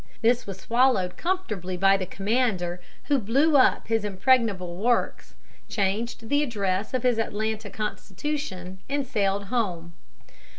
This was swallowed comfortably by the commander, who blew up his impregnable works, changed the address of his Atlanta Constitution, and sailed for home.